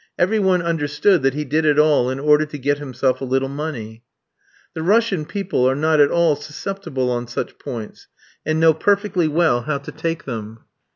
Every one understood that he did it all in order to get himself a little money. The Russian people are not at all susceptible on such points, and know perfectly well how to take them.